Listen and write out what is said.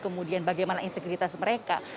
kemudian bagaimana integritas mereka